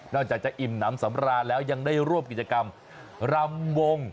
จากจะอิ่มน้ำสำราญแล้วยังได้ร่วมกิจกรรมรำวง